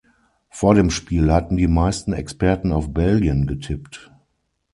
Vor dem Spiel hatten die meisten Experten auf Belgien getippt.